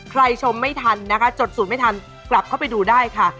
ชมไม่ทันนะคะจดสูตรไม่ทันกลับเข้าไปดูได้ค่ะ